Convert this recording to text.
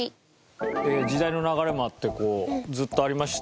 時代の流れもあってずっとありました